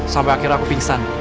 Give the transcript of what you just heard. sampai akhirnya aku pingsan